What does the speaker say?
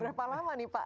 berapa lama nih pak